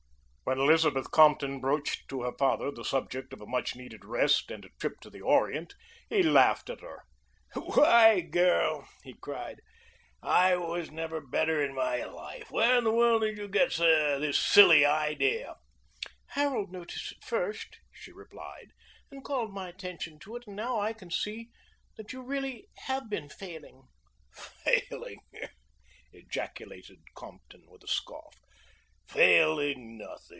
When Elizabeth Compton broached to her father the subject of a much needed rest and a trip to the Orient, he laughed at her. "Why, girl," he cried, "I was never better in my life! Where in the world did you get this silly idea?" "Harold noticed it first," she replied, "and called my attention to it; and now I can see that you really have been failing." "Failing!" ejaculated Compton, with a scoff. "Failing nothing!